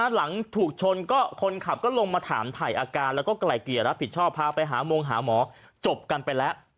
หลังถูกชนก็คนขับก็ลงมาถามถ่ายอาการแล้วก็ไกลเกลี่ยรับผิดชอบพาไปหามงหาหมอจบกันไปแล้ว